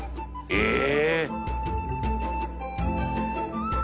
「ええ」